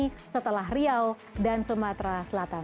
jika ini tidak berhasil program ini akan dilaksanakan untuk setiap kawasan